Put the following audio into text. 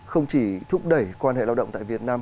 không chỉ thúc đẩy quan hệ lao động tại việt nam